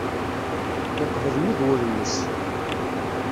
Yeqbel nnig wul-nnes.